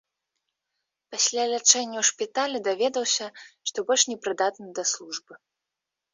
Пасля лячэння ў шпіталі даведаўся, што больш не прыдатны да службы.